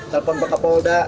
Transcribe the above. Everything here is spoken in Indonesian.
telpon pak kapolda